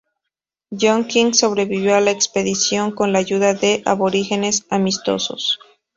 John King sobrevivió a la expedición con la ayuda de aborígenes amistosos.